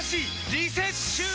リセッシュー！